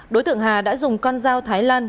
đối tượng hà đã dùng con dao thái lan